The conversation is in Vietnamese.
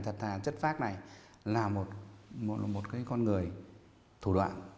thà chất phác này là một con người thủ đoạn